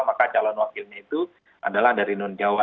maka calon wakilnya itu adalah dari nunjawa